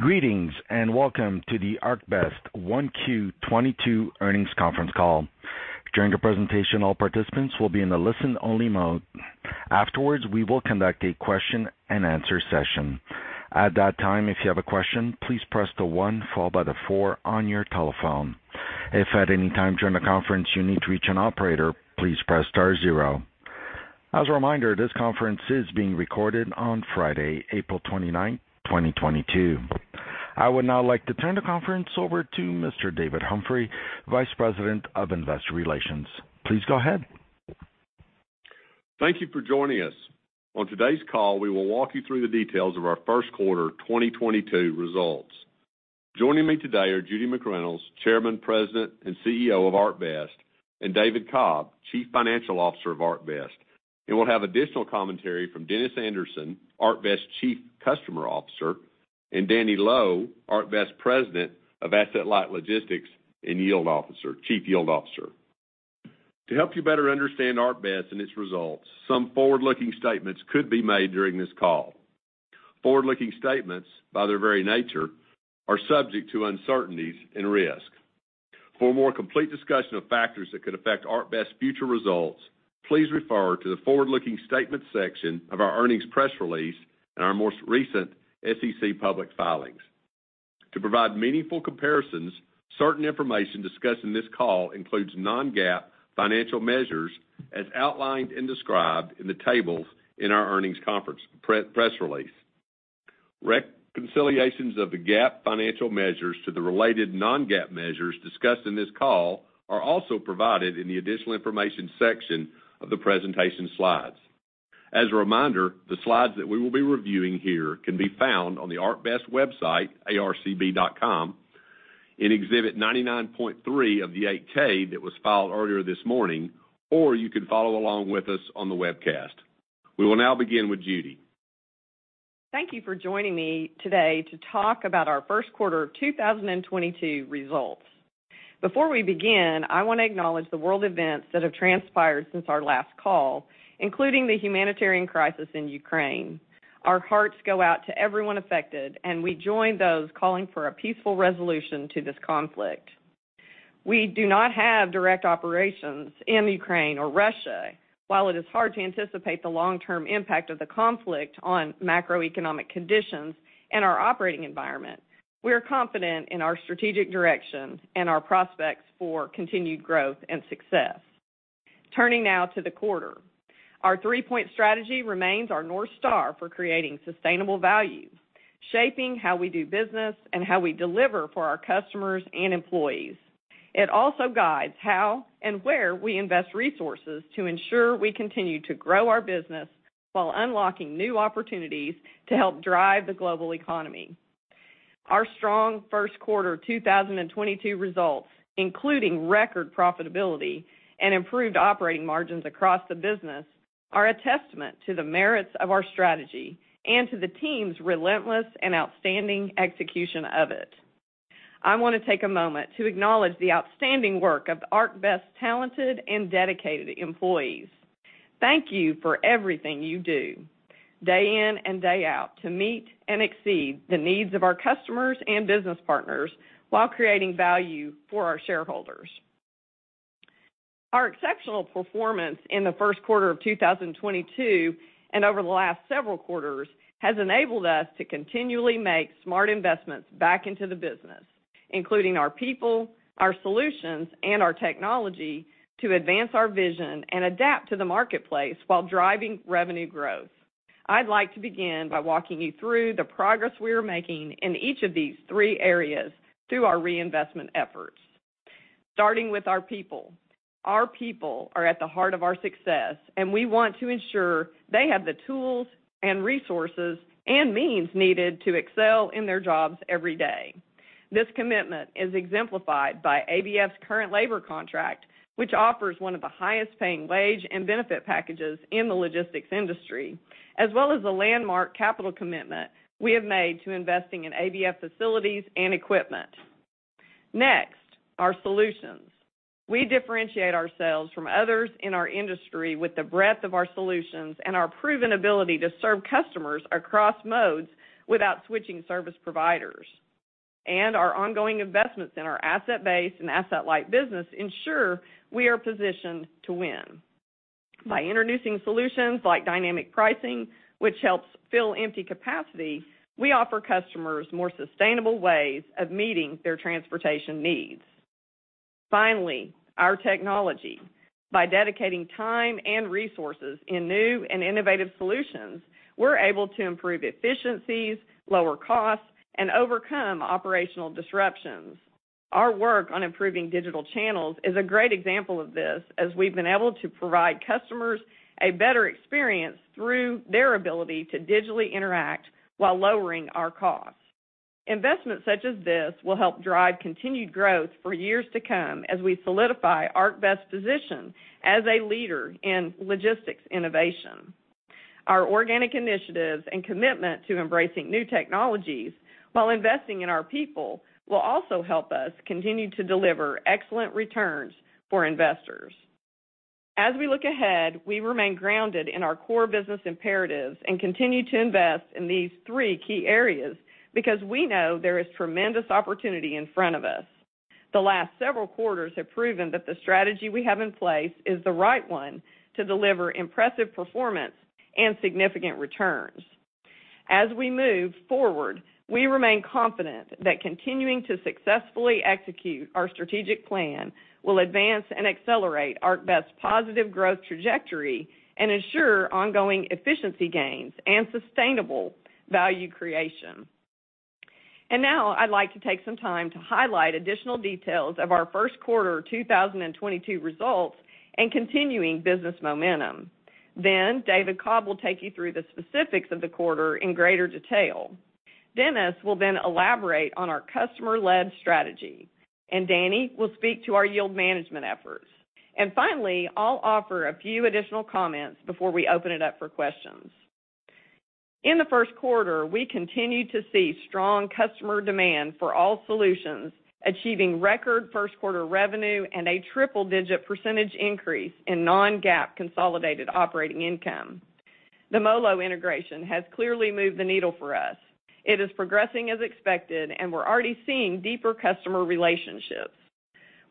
Greetings, and welcome to the ArcBest 1Q 2022 earnings conference call. During the presentation, all participants will be in a listen-only mode. Afterwards, we will conduct a question and answer session. At that time, if you have a question, please press the one followed by the four on your telephone. If at any time during the conference you need to reach an operator, please press star zero. As a reminder, this conference is being recorded on Friday, April 29, 2022. I would now like to turn the conference over to Mr. David Humphrey, Vice President of Investor Relations. Please go ahead. Thank you for joining us. On today's call, we will walk you through the details of our first quarter 2022 results. Joining me today are Judy McReynolds, Chairman, President, and CEO of ArcBest, and David Cobb, Chief Financial Officer of ArcBest. We'll have additional commentary from Dennis Anderson, ArcBest Chief Customer Officer, and Daniel Loe, ArcBest President of Asset-Light Logistics and Chief Yield Officer. To help you better understand ArcBest and its results, some forward-looking statements could be made during this call. Forward-looking statements, by their very nature, are subject to uncertainties and risk. For a more complete discussion of factors that could affect ArcBest future results, please refer to the forward-looking statement section of our earnings press release and our most recent SEC public filings. To provide meaningful comparisons, certain information discussed in this call includes non-GAAP financial measures as outlined and described in the tables in our earnings conference press release. Reconciliations of the GAAP financial measures to the related non-GAAP measures discussed in this call are also provided in the additional information section of the presentation slides. As a reminder, the slides that we will be reviewing here can be found on the ArcBest website, arcb.com, in Exhibit 99.3 of the 8-K that was filed earlier this morning, or you can follow along with us on the webcast. We will now begin with Judy. Thank you for joining me today to talk about our first quarter 2022 results. Before we begin, I wanna acknowledge the world events that have transpired since our last call, including the humanitarian crisis in Ukraine. Our hearts go out to everyone affected, and we join those calling for a peaceful resolution to this conflict. We do not have direct operations in Ukraine or Russia. While it is hard to anticipate the long-term impact of the conflict on macroeconomic conditions and our operating environment, we are confident in our strategic direction and our prospects for continued growth and success. Turning now to the quarter. Our three-point strategy remains our North Star for creating sustainable value, shaping how we do business and how we deliver for our customers and employees. It also guides how and where we invest resources to ensure we continue to grow our business while unlocking new opportunities to help drive the global economy. Our strong first quarter 2022 results, including record profitability and improved operating margins across the business, are a testament to the merits of our strategy and to the team's relentless and outstanding execution of it. I want to take a moment to acknowledge the outstanding work of ArcBest's talented and dedicated employees. Thank you for everything you do day in and day out to meet and exceed the needs of our customers and business partners while creating value for our shareholders. Our exceptional performance in the first quarter of 2022 and over the last several quarters has enabled us to continually make smart investments back into the business, including our people, our solutions, and our technology to advance our vision and adapt to the marketplace while driving revenue growth. I'd like to begin by walking you through the progress we are making in each of these three areas through our reinvestment efforts. Starting with our people. Our people are at the heart of our success, and we want to ensure they have the tools and resources and means needed to excel in their jobs every day. This commitment is exemplified by ABF's current labor contract, which offers one of the highest paying wage and benefit packages in the logistics industry, as well as the landmark capital commitment we have made to investing in ABF facilities and equipment. Next, our solutions. We differentiate ourselves from others in our industry with the breadth of our solutions and our proven ability to serve customers across modes without switching service providers. Our ongoing investments in our asset base and asset light business ensure we are positioned to win. By introducing solutions like dynamic pricing, which helps fill empty capacity, we offer customers more sustainable ways of meeting their transportation needs. Finally, our technology. By dedicating time and resources in new and innovative solutions, we're able to improve efficiencies, lower costs, and overcome operational disruptions. Our work on improving digital channels is a great example of this as we've been able to provide customers a better experience through their ability to digitally interact while lowering our costs. Investments such as this will help drive continued growth for years to come as we solidify ArcBest position as a leader in logistics innovation. Our organic initiatives and commitment to embracing new technologies while investing in our people will also help us continue to deliver excellent returns for investors. As we look ahead, we remain grounded in our core business imperatives and continue to invest in these three key areas because we know there is tremendous opportunity in front of us. The last several quarters have proven that the strategy we have in place is the right one to deliver impressive performance and significant returns. As we move forward, we remain confident that continuing to successfully execute our strategic plan will advance and accelerate ArcBest's positive growth trajectory and ensure ongoing efficiency gains and sustainable value creation. Now I'd like to take some time to highlight additional details of our first quarter 2022 results and continuing business momentum. David Cobb will take you through the specifics of the quarter in greater detail. Dennis will then elaborate on our customer-led strategy, and Danny will speak to our yield management efforts. Finally, I'll offer a few additional comments before we open it up for questions. In the first quarter, we continued to see strong customer demand for all solutions, achieving record first quarter revenue and a triple-digit % increase in non-GAAP consolidated operating income. The MoLo integration has clearly moved the needle for us. It is progressing as expected, and we're already seeing deeper customer relationships.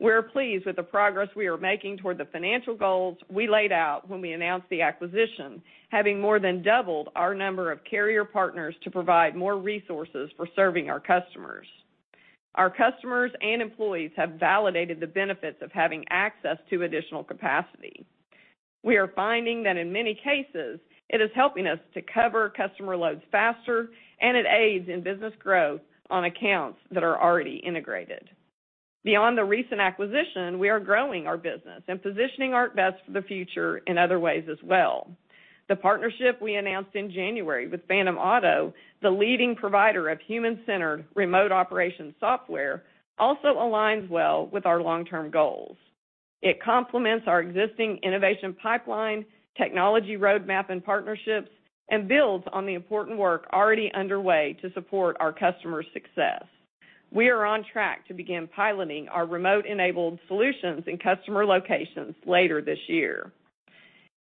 We're pleased with the progress we are making toward the financial goals we laid out when we announced the acquisition, having more than doubled our number of carrier partners to provide more resources for serving our customers. Our customers and employees have validated the benefits of having access to additional capacity. We are finding that in many cases, it is helping us to cover customer loads faster, and it aids in business growth on accounts that are already integrated. Beyond the recent acquisition, we are growing our business and positioning ArcBest for the future in other ways as well. The partnership we announced in January with Phantom Auto, the leading provider of human-centered remote operations software, also aligns well with our long-term goals. It complements our existing innovation pipeline, technology roadmap and partnerships, and builds on the important work already underway to support our customers' success. We are on track to begin piloting our remote-enabled solutions in customer locations later this year.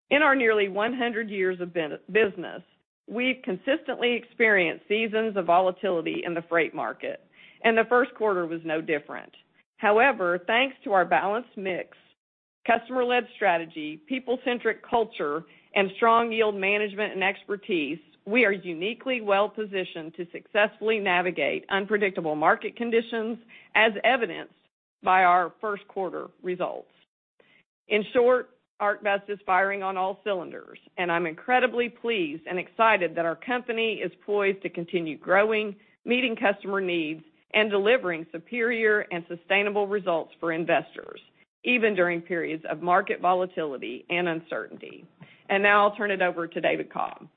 In our nearly 100 years of business, we've consistently experienced seasons of volatility in the freight market, and the first quarter was no different. However, thanks to our balanced mix, customer-led strategy, people-centric culture, and strong yield management and expertise, we are uniquely well-positioned to successfully navigate unpredictable market conditions, as evidenced by our first quarter results. In short, ArcBest is firing on all cylinders, and I'm incredibly pleased and excited that our company is poised to continue growing, meeting customer needs, and delivering superior and sustainable results for investors, even during periods of market volatility and uncertainty. Now I'll turn it over to David Cobb.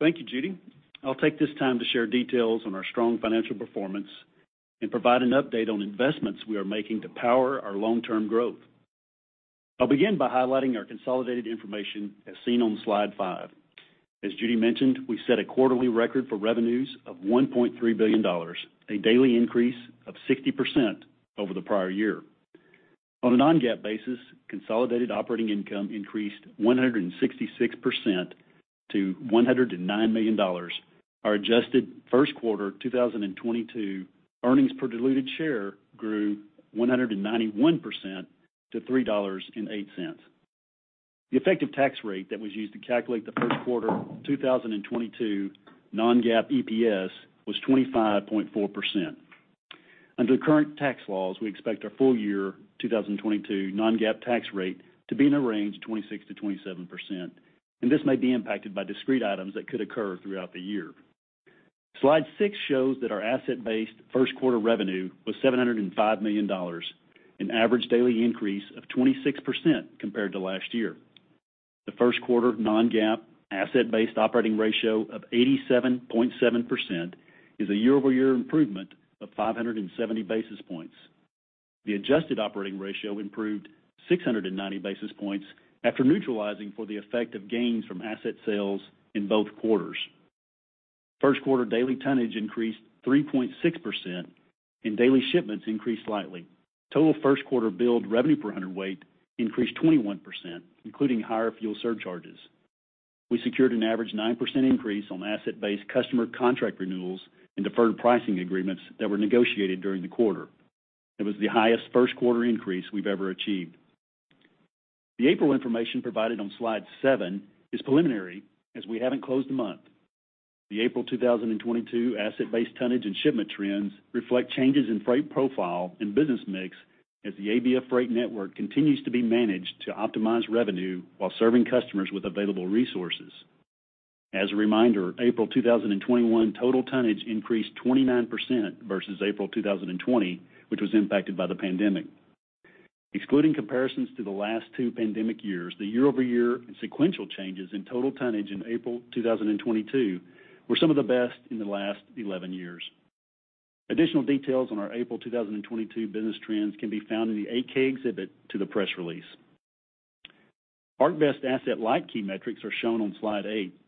Thank you, Judy. I'll take this time to share details on our strong financial performance and provide an update on investments we are making to power our long-term growth. I'll begin by highlighting our consolidated information as seen on slide five. As Judy mentioned, we set a quarterly record for revenues of $1.3 billion, a daily increase of 60% over the prior year. On a non-GAAP basis, consolidated operating income increased 166% to $109 million. Our adjusted first quarter 2022 earnings per diluted share grew 191% to $3.08. The effective tax rate that was used to calculate the first quarter 2022 non-GAAP EPS was 25.4%. Under the current tax laws, we expect our full year 2022 non-GAAP tax rate to be in a range of 26%-27%, and this may be impacted by discrete items that could occur throughout the year. Slide six shows that our asset-based first quarter revenue was $705 million, an average daily increase of 26% compared to last year. The first quarter non-GAAP asset-based operating ratio of 87.7% is a year-over-year improvement of 570 basis points. The adjusted operating ratio improved 690 basis points after neutralizing for the effect of gains from asset sales in both quarters. First quarter daily tonnage increased 3.6%, and daily shipments increased slightly. Total first quarter billed revenue per hundredweight increased 21%, including higher fuel surcharges. We secured an average 9% increase on asset-based customer contract renewals and deferred pricing agreements that were negotiated during the quarter. It was the highest first quarter increase we've ever achieved. The April information provided on slide seven is preliminary as we haven't closed the month. The April 2022 asset-based tonnage and shipment trends reflect changes in freight profile and business mix as the ABF Freight Network continues to be managed to optimize revenue while serving customers with available resources. As a reminder, April 2021 total tonnage increased 29% versus April 2020, which was impacted by the pandemic. Excluding comparisons to the last two pandemic years, the year-over-year and sequential changes in total tonnage in April 2022 were some of the best in the last 11 years. Additional details on our April 2022 business trends can be found in the 8-K exhibit to the press release. ArcBest Asset-Light key metrics are shown on slide eight.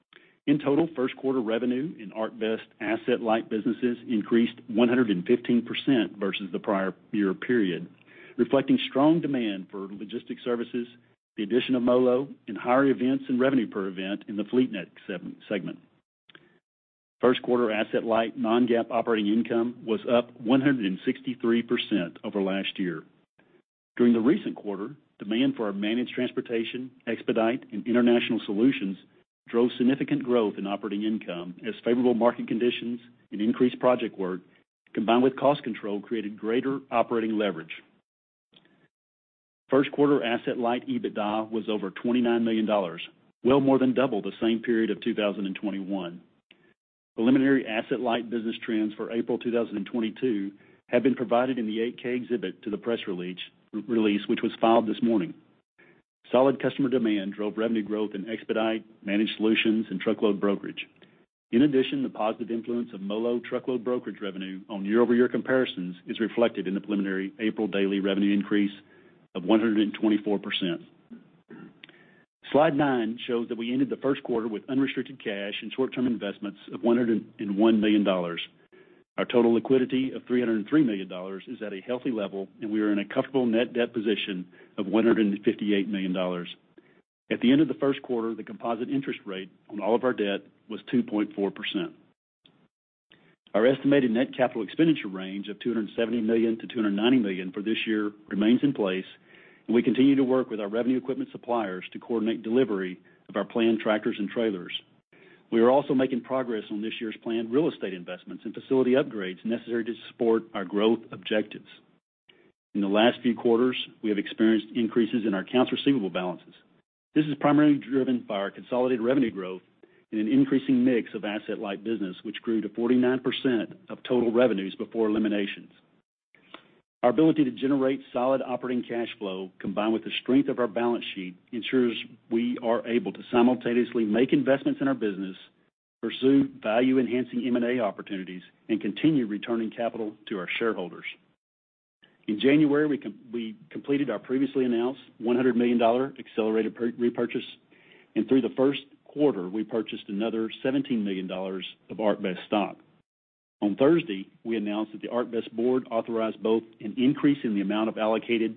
In total, first quarter revenue in ArcBest Asset-Light businesses increased 115% versus the prior year period, reflecting strong demand for logistics services, the addition of MoLo and higher events and revenue per event in the FleetNet segment. First quarter Asset-Light non-GAAP operating income was up 163% over last year. During the recent quarter, demand for our managed transportation, expedite and international solutions drove significant growth in operating income as favorable market conditions and increased project work, combined with cost control, created greater operating leverage. First quarter Asset-Light EBITDA was over $29 million, well more than double the same period of 2021. Preliminary Asset-Light business trends for April 2022 have been provided in the 8-K exhibit to the press release, which was filed this morning. Solid customer demand drove revenue growth in expedite, managed solutions and truckload brokerage. In addition, the positive influence of MoLo truckload brokerage revenue on year-over-year comparisons is reflected in the preliminary April daily revenue increase of 124%. Slide nine shows that we ended the first quarter with unrestricted cash and short-term investments of $101 million. Our total liquidity of $303 million is at a healthy level, and we are in a comfortable net debt position of $158 million. At the end of the first quarter, the composite interest rate on all of our debt was 2.4%. Our estimated net capital expenditure range of $270 million-$290 million for this year remains in place, and we continue to work with our revenue equipment suppliers to coordinate delivery of our planned tractors and trailers. We are also making progress on this year's planned real estate investments and facility upgrades necessary to support our growth objectives. In the last few quarters, we have experienced increases in our accounts receivable balances. This is primarily driven by our consolidated revenue growth and an increasing mix of Asset-Light business, which grew to 49% of total revenues before eliminations. Our ability to generate solid operating cash flow, combined with the strength of our balance sheet, ensures we are able to simultaneously make investments in our business, pursue value-enhancing M&A opportunities, and continue returning capital to our shareholders. In January, we completed our previously announced $100 million accelerated repurchase, and through the first quarter we purchased another $17 million of ArcBest stock. On Thursday, we announced that the ArcBest board authorized both an increase in the amount allocated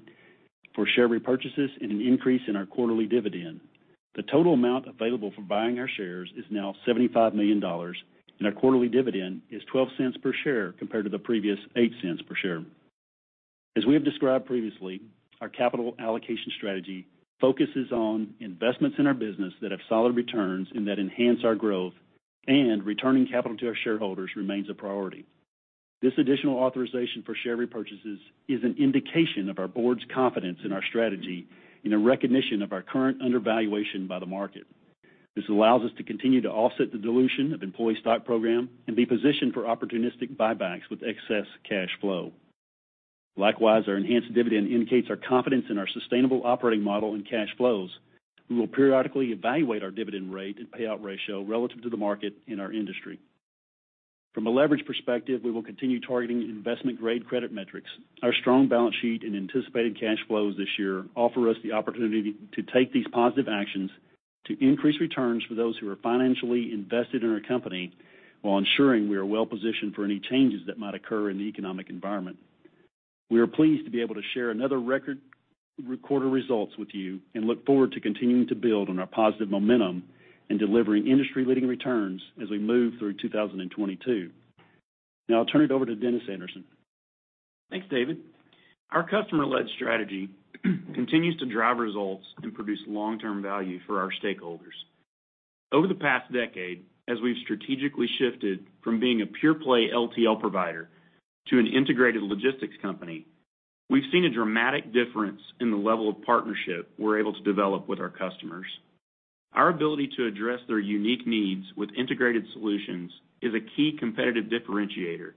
for share repurchases and an increase in our quarterly dividend. The total amount available for buying our shares is now $75 million, and our quarterly dividend is $0.12 per share compared to the previous $0.08 per share. As we have described previously, our capital allocation strategy focuses on investments in our business that have solid returns and that enhance our growth, and returning capital to our shareholders remains a priority. This additional authorization for share repurchases is an indication of our board's confidence in our strategy and a recognition of our current undervaluation by the market. This allows us to continue to offset the dilution of employee stock program and be positioned for opportunistic buybacks with excess cash flow. Likewise, our enhanced dividend indicates our confidence in our sustainable operating model and cash flows. We will periodically evaluate our dividend rate and payout ratio relative to the market and our industry. From a leverage perspective, we will continue targeting investment-grade credit metrics. Our strong balance sheet and anticipated cash flows this year offer us the opportunity to take these positive actions to increase returns for those who are financially invested in our company while ensuring we are well positioned for any changes that might occur in the economic environment. We are pleased to be able to share another record quarter results with you and look forward to continuing to build on our positive momentum and delivering industry-leading returns as we move through 2022. Now I'll turn it over to Dennis Anderson. Thanks, David. Our customer-led strategy continues to drive results and produce long-term value for our stakeholders. Over the past decade, as we've strategically shifted from being a pure play LTL provider to an integrated logistics company, we've seen a dramatic difference in the level of partnership we're able to develop with our customers. Our ability to address their unique needs with integrated solutions is a key competitive differentiator,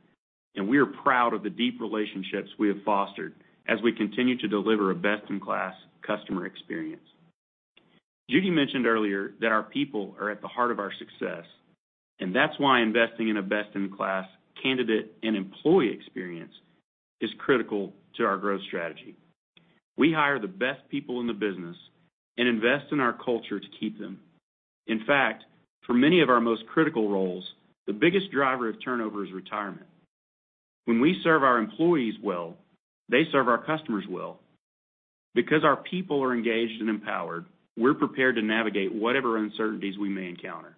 and we are proud of the deep relationships we have fostered as we continue to deliver a best-in-class customer experience. Judy mentioned earlier that our people are at the heart of our success, and that's why investing in a best-in-class candidate and employee experience is critical to our growth strategy. We hire the best people in the business and invest in our culture to keep them. In fact, for many of our most critical roles, the biggest driver of turnover is retirement. When we serve our employees well, they serve our customers well. Because our people are engaged and empowered, we're prepared to navigate whatever uncertainties we may encounter.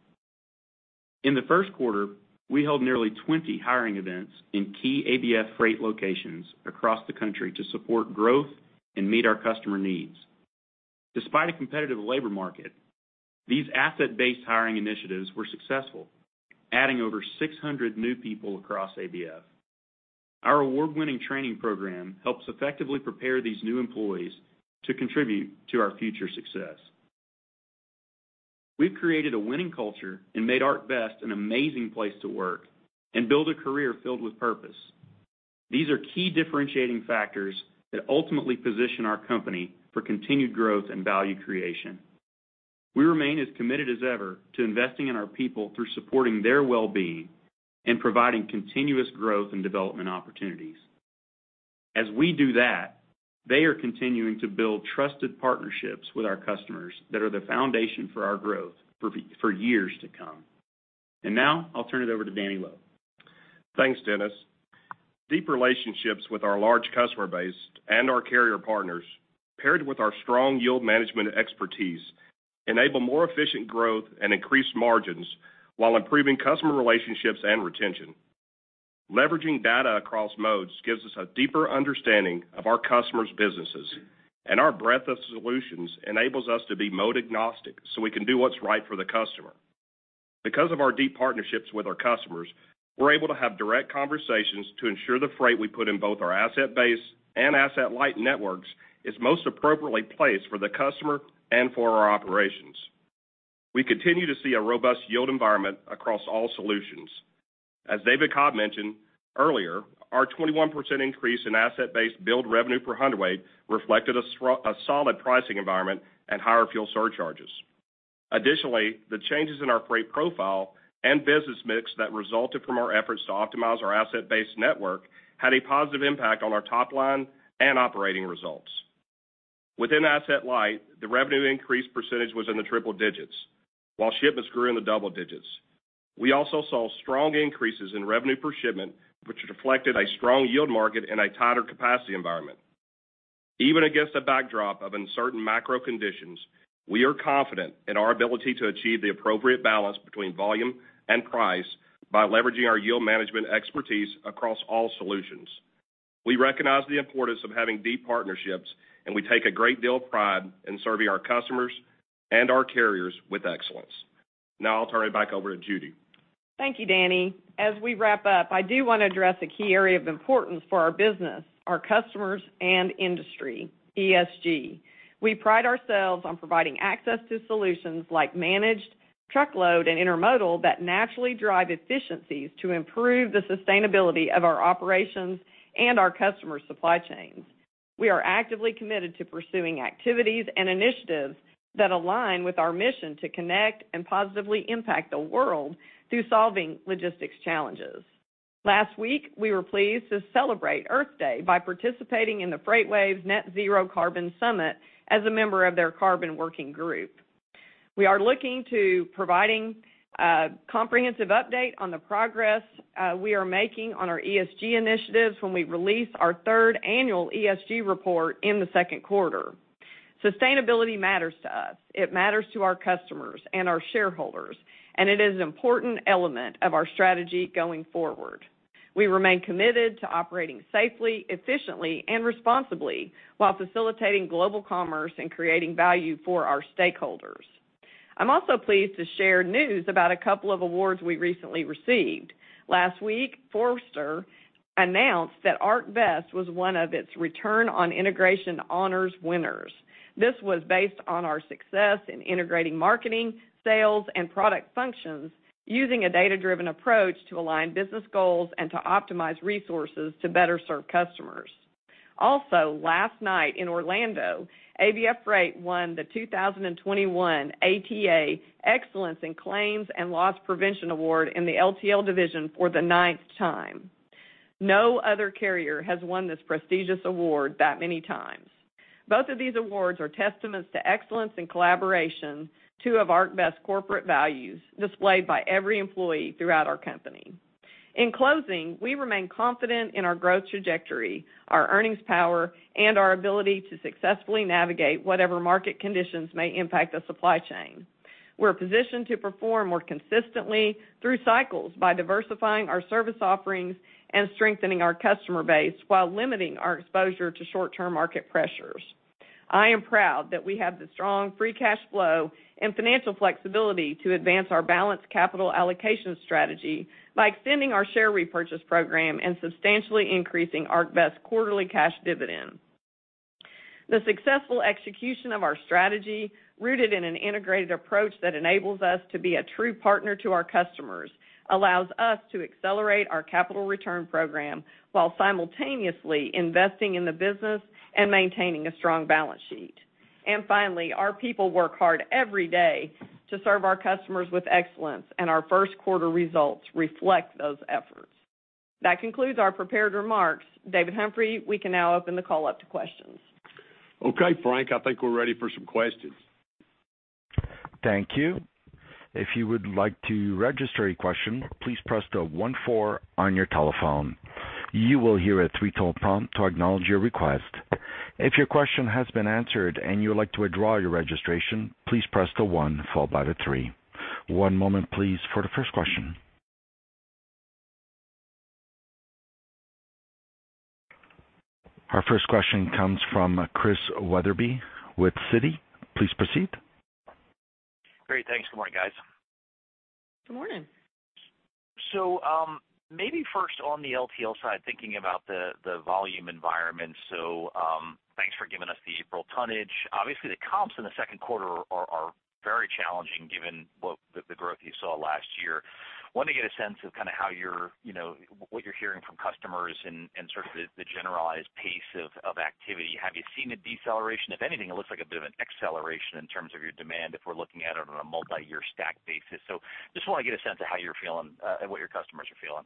In the first quarter, we held nearly 20 hiring events in key ABF Freight locations across the country to support growth and meet our customer needs. Despite a competitive labor market, these asset-based hiring initiatives were successful, adding over 600 new people across ABF. Our award-winning training program helps effectively prepare these new employees to contribute to our future success. We've created a winning culture and made ArcBest an amazing place to work and build a career filled with purpose. These are key differentiating factors that ultimately position our company for continued growth and value creation. We remain as committed as ever to investing in our people through supporting their well-being and providing continuous growth and development opportunities. As we do that, they are continuing to build trusted partnerships with our customers that are the foundation for our growth for years to come. Now I'll turn it over to Daniel Loe. Thanks, Dennis. Deep relationships with our large customer base and our carrier partners, paired with our strong yield management expertise, enable more efficient growth and increased margins while improving customer relationships and retention. Leveraging data across modes gives us a deeper understanding of our customers' businesses, and our breadth of solutions enables us to be mode agnostic so we can do what's right for the customer. Because of our deep partnerships with our customers, we're able to have direct conversations to ensure the freight we put in both our asset base and asset-light networks is most appropriately placed for the customer and for our operations. We continue to see a robust yield environment across all solutions. As David Cobb mentioned earlier, our 21% increase in asset-based build revenue per hundredweight reflected a solid pricing environment and higher fuel surcharges. Additionally, the changes in our freight profile and business mix that resulted from our efforts to optimize our asset-based network had a positive impact on our top line and operating results. Within asset light, the revenue increase percentage was in the triple digits, while shipments grew in the double digits. We also saw strong increases in revenue per shipment, which reflected a strong yield market and a tighter capacity environment. Even against a backdrop of uncertain macro conditions, we are confident in our ability to achieve the appropriate balance between volume and price by leveraging our yield management expertise across all solutions. We recognize the importance of having deep partnerships, and we take a great deal of pride in serving our customers and our carriers with excellence. Now I'll turn it back over to Judy. Thank you, Danny. As we wrap up, I do want to address a key area of importance for our business, our customers, and industry, ESG. We pride ourselves on providing access to solutions like managed truckload and intermodal that naturally drive efficiencies to improve the sustainability of our operations and our customers' supply chains. We are actively committed to pursuing activities and initiatives that align with our mission to connect and positively impact the world through solving logistics challenges. Last week, we were pleased to celebrate Earth Day by participating in the FreightWaves Net-Zero Carbon Summit as a member of their carbon working group. We are looking forward to providing a comprehensive update on the progress we are making on our ESG initiatives when we release our third annual ESG report in the second quarter. Sustainability matters to us. It matters to our customers and our shareholders, and it is an important element of our strategy going forward. We remain committed to operating safely, efficiently, and responsibly while facilitating global commerce and creating value for our stakeholders. I'm also pleased to share news about a couple of awards we recently received. Last week, Forrester announced that ArcBest was one of its Return on Integration Honors winners. This was based on our success in integrating marketing, sales, and product functions using a data-driven approach to align business goals and to optimize resources to better serve customers. Also, last night in Orlando, ABF Freight won the 2021 ATA Excellence in Cargo Claims and Loss Prevention Award in the LTL division for the ninth time. No other carrier has won this prestigious award that many times. Both of these awards are testaments to excellence and collaboration, two of ArcBest corporate values displayed by every employee throughout our company. In closing, we remain confident in our growth trajectory, our earnings power, and our ability to successfully navigate whatever market conditions may impact the supply chain. We're positioned to perform more consistently through cycles by diversifying our service offerings and strengthening our customer base while limiting our exposure to short-term market pressures. I am proud that we have the strong free cash flow and financial flexibility to advance our balanced capital allocation strategy by extending our share repurchase program and substantially increasing ArcBest quarterly cash dividend. The successful execution of our strategy, rooted in an integrated approach that enables us to be a true partner to our customers, allows us to accelerate our capital return program while simultaneously investing in the business and maintaining a strong balance sheet. Finally, our people work hard every day to serve our customers with excellence, and our first quarter results reflect those efforts. That concludes our prepared remarks. David Humphrey, we can now open the call up to questions. Okay, Frank, I think we're ready for some questions. Thank you. If you would like to register a question, please press the one four on your telephone. You will hear a three-tone prompt to acknowledge your request. If your question has been answered and you would like to withdraw your registration, please press the one followed by the three. One moment, please, for the first question. Our first question comes from Chris Wetherbee with Citi. Please proceed. Great. Thanks. Good morning, guys. Good morning. Maybe first on the LTL side, thinking about the volume environment. Thanks for giving us the April tonnage. Obviously, the comps in the second quarter are very challenging given what the growth you saw last year. Wanted to get a sense of kind of how you're, you know, what you're hearing from customers and sort of the generalized pace of activity. Have you seen a deceleration? If anything, it looks like a bit of an acceleration in terms of your demand if we're looking at it on a multiyear stack basis. Just want to get a sense of how you're feeling, and what your customers are feeling.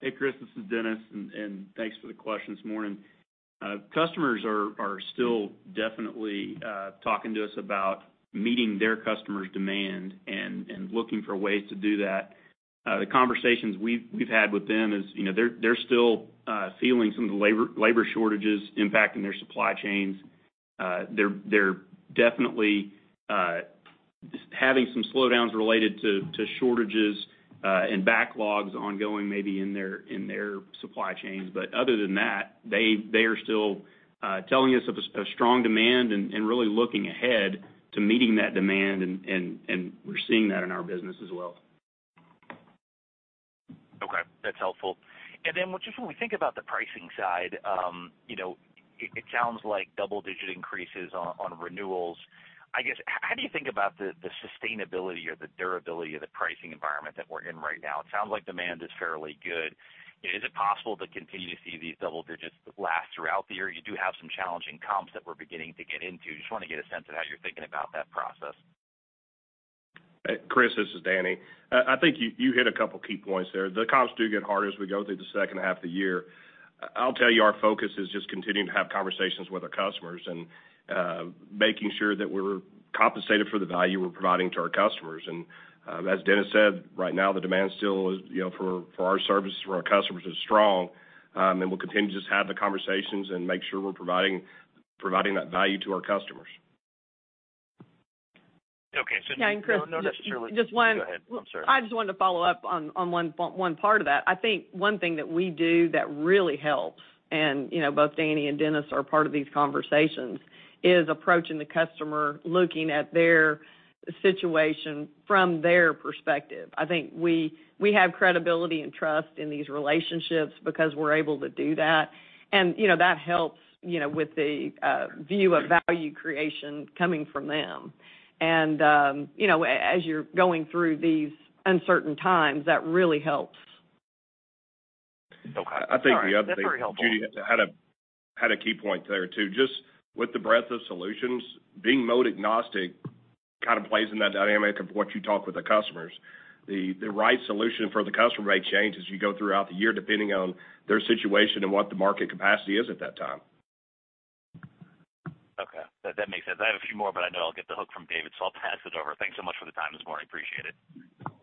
Hey, Chris, this is Dennis, and thanks for the question this morning. Customers are still definitely talking to us about meeting their customers' demand and looking for ways to do that. The conversations we've had with them is, you know, they're still feeling some of the labor shortages impacting their supply chains. They're definitely having some slowdowns related to shortages and backlogs ongoing maybe in their supply chains. But other than that, they are still telling us of a strong demand and really looking ahead to meeting that demand, and we're seeing that in our business as well. Okay, that's helpful. Just when we think about the pricing side, you know, it sounds like double-digit increases on renewals. I guess, how do you think about the sustainability or the durability of the pricing environment that we're in right now? It sounds like demand is fairly good. Is it possible to continue to see these double digits last throughout the year? You do have some challenging comps that we're beginning to get into. Just want to get a sense of how you're thinking about that process. Chris, this is Danny. I think you hit a couple of key points there. The comps do get harder as we go through the second half of the year. I'll tell you, our focus is just continuing to have conversations with our customers and making sure that we're compensated for the value we're providing to our customers. As Dennis said, right now, the demand still is, you know, for our service, for our customers is strong. We'll continue to just have the conversations and make sure we're providing that value to our customers. Okay. Yeah. Chris Not necessarily. Just one- Go ahead. I'm sorry. I just wanted to follow up on one point, one part of that. I think one thing that we do that really helps, and, you know, both Danny and Dennis are part of these conversations, is approaching the customer, looking at their situation from their perspective. I think we have credibility and trust in these relationships because we're able to do that. You know, that helps, you know, with the view of value creation coming from them. You know, as you're going through these uncertain times, that really helps. Okay. I think the other thing. All right. That's very helpful. Judy had a key point there, too. Just with the breadth of solutions, being mode agnostic kind of plays in that dynamic of what you talk with the customers. The right solution for the customer may change as you go throughout the year, depending on their situation and what the market capacity is at that time. Okay. That makes sense. I have a few more, but I know I'll get the hook from David, so I'll pass it over. Thanks so much for the time this morning. Appreciate it.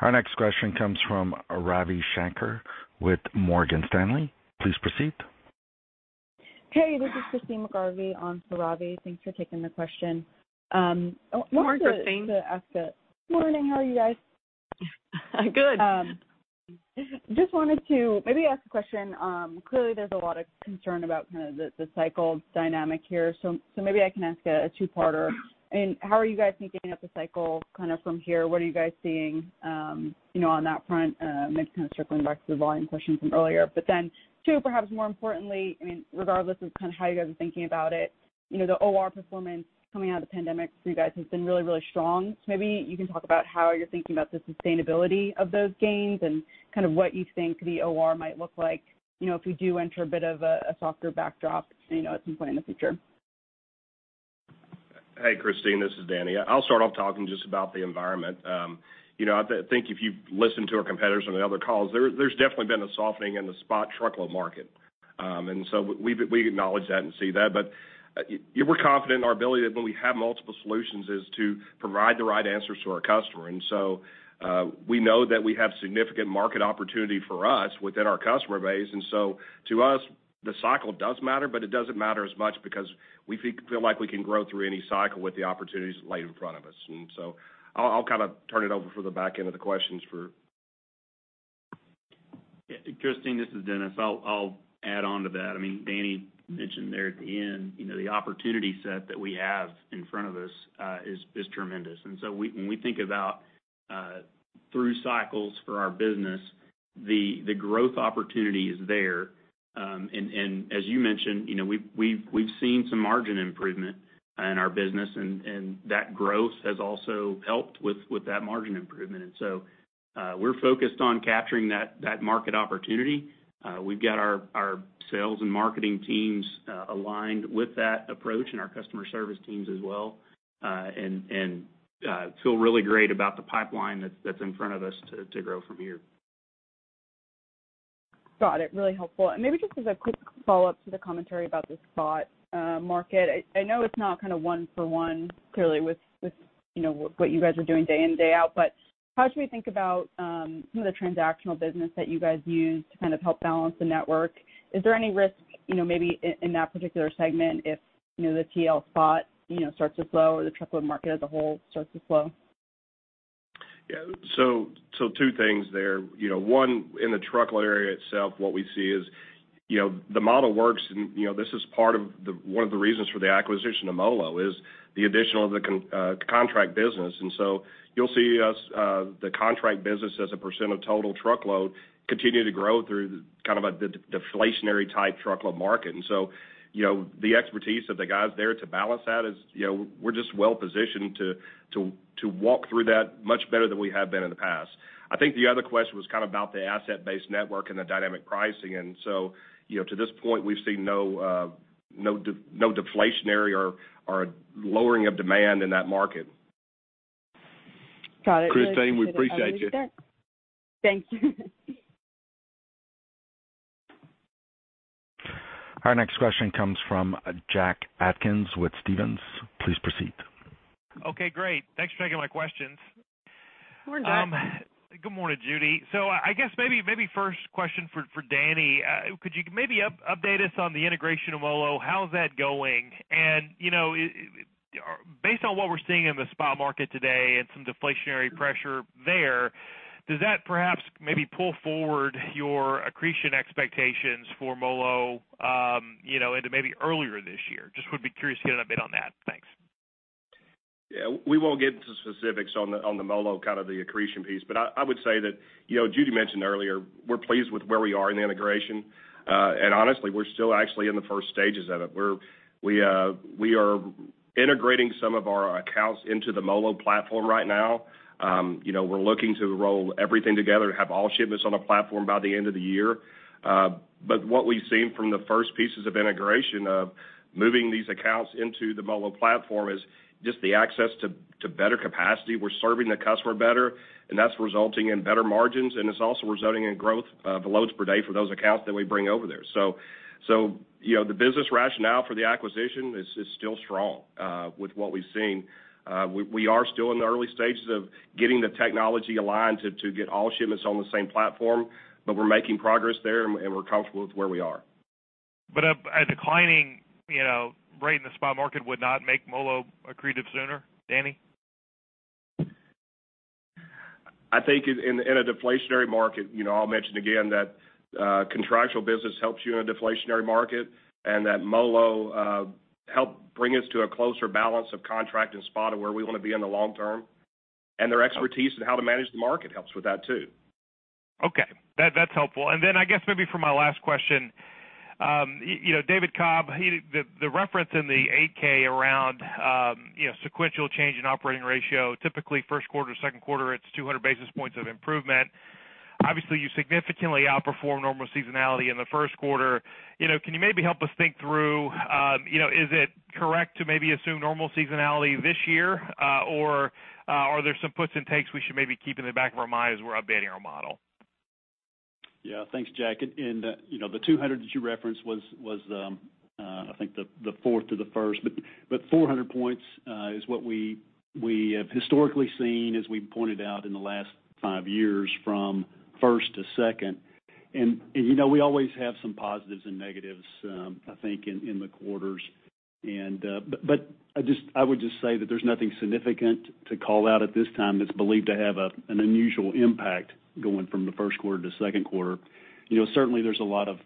Our next question comes from Ravi Shanker with Morgan Stanley. Please proceed. Hey, this is Christyne McGarvey on for Ravi. Thanks for taking the question. Wanted to- Hi, Christyne. Morning. How are you guys? Good. Just wanted to maybe ask a question. Clearly, there's a lot of concern about kind of the cycle dynamic here. Maybe I can ask a two-parter. I mean, how are you guys thinking of the cycle kind of from here? What are you guys seeing, you know, on that front? Maybe kind of circling back to the volume question from earlier. Then two, perhaps more importantly, I mean, regardless of kind of how you guys are thinking about it, you know, the OR performance coming out of the pandemic for you guys has been really, really strong. Maybe you can talk about how you're thinking about the sustainability of those gains and kind of what you think the OR might look like, you know, if we do enter a bit of a softer backdrop, you know, at some point in the future. Hey, Christine, this is Danny. I'll start off talking just about the environment. I think if you listen to our competitors on the other calls, there's definitely been a softening in the spot truckload market. We acknowledge that and see that. We're confident in our ability that when we have multiple solutions is to provide the right answers to our customer. We know that we have significant market opportunity for us within our customer base. To us, the cycle does matter, but it doesn't matter as much because we feel like we can grow through any cycle with the opportunities laid in front of us. I'll kind of turn it over for the back end of the questions for. Yeah, Christine, this is Dennis. I'll add on to that. I mean, Danny mentioned there at the end, you know, the opportunity set that we have in front of us is tremendous. When we think about through cycles for our business, the growth opportunity is there. As you mentioned, you know, we've seen some margin improvement in our business, and that growth has also helped with that margin improvement. We're focused on capturing that market opportunity. We've got our sales and marketing teams aligned with that approach and our customer service teams as well. Feel really great about the pipeline that's in front of us to grow from here. Maybe just as a quick follow-up to the commentary about the spot market. I know it's not kind of one for one clearly with, you know, what you guys are doing day in, day out, but how should we think about some of the transactional business that you guys use to kind of help balance the network? Is there any risk, you know, maybe in that particular segment if, you know, the TL spot starts to slow or the truckload market as a whole starts to slow? Yeah. Two things there. You know, one, in the truckload area itself, what we see is, you know, the model works and, you know, this is part of the, one of the reasons for the acquisition of MoLo is the addition of the contract business. You'll see us, the contract business as a percent of total truckload continue to grow through kind of a deflationary type truckload market. You know, the expertise of the guys there to balance that is, you know, we're just well-positioned to walk through that much better than we have been in the past. I think the other question was kind of about the asset-based network and the dynamic pricing. You know, to this point, we've seen no deflationary or a lowering of demand in that market. Got it. Christyne, we appreciate you. Thank you. Our next question comes from Jack Atkins with Stephens. Please proceed. Okay, great. Thanks for taking my questions. Good morning, Jack. Good morning, Judy. I guess maybe first question for Danny. Could you maybe update us on the integration of MoLo? How's that going? You know, based on what we're seeing in the spot market today and some deflationary pressure there, does that perhaps maybe pull forward your accretion expectations for MoLo into maybe earlier this year? Just would be curious to get an update on that. Thanks. Yeah. We won't get into specifics on the MoLo kind of the accretion piece. I would say that, you know, Judy mentioned earlier, we're pleased with where we are in the integration. Honestly, we're still actually in the first stages of it. We are integrating some of our accounts into the MoLo platform right now. You know, we're looking to roll everything together to have all shipments on a platform by the end of the year. But what we've seen from the first pieces of integration of moving these accounts into the MoLo platform is just the access to better capacity. We're serving the customer better, and that's resulting in better margins, and it's also resulting in growth of loads per day for those accounts that we bring over there. You know, the business rationale for the acquisition is still strong with what we've seen. We are still in the early stages of getting the technology aligned to get all shipments on the same platform, but we're making progress there and we're comfortable with where we are. A declining, you know, rate in the spot market would not make MoLo accretive sooner, Danny? I think in a deflationary market, you know, I'll mention again that contractual business helps you in a deflationary market, and that MoLo helped bring us to a closer balance of contract and spot of where we want to be in the long term. Their expertise in how to manage the market helps with that too. Okay. That's helpful. Then I guess maybe for my last question, David Cobb, the reference in the 8-K around sequential change in operating ratio, typically first quarter, second quarter, it's 200 basis points of improvement. Obviously, you significantly outperformed normal seasonality in the first quarter. Can you maybe help us think through, is it correct to maybe assume normal seasonality this year, or are there some puts and takes we should maybe keep in the back of our minds as we're updating our model? Yeah. Thanks, Jack. You know, the 200 that you referenced was I think the fourth to the first, but 400 points is what we have historically seen, as we pointed out in the last five years from first to second. You know, we always have some positives and negatives, I think in the quarters. I would just say that there's nothing significant to call out at this time that's believed to have an unusual impact going from the first quarter to second quarter. You know, certainly there's a lot of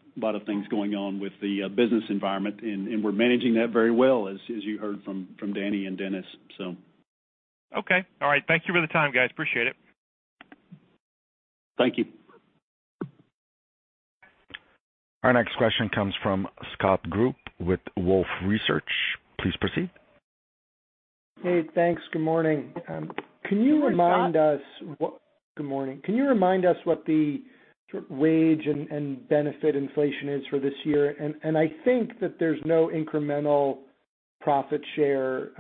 things going on with the business environment, and we're managing that very well, as you heard from Danny and Dennis. Okay. All right. Thank you for the time, guys. Appreciate it. Thank you. Our next question comes from Scott Group with Wolfe Research. Please proceed. Hey, thanks. Good morning. Good morning, Scott. Good morning. Can you remind us what the sort of wage and benefit inflation is for this year? I think that there's no incremental profit share,